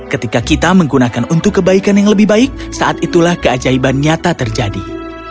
ketika kita menggunakan untuk kebaikan yang lebih baik saat itulah keajaiban nyata terjadi